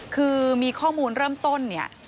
คือมีข้อมูลเริ่มต้นเนี่ย